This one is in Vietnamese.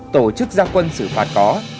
tổ chức gia quân xử phạt có